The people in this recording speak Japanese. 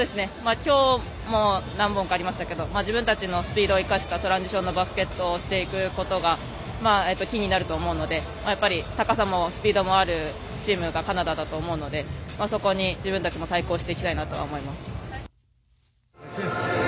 きょうも何本かありましたが自分だけのスピードを生かしたトランジションのバスケットをしていくことがキーになると思うので高さもスピードもあるチームがカナダだと思うのでそこに自分たちも対抗していきたいなと思います。